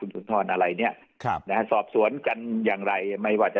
ซุนอะไรเนี่ยสอบสวนกันอย่างไรไม่ว่าจะ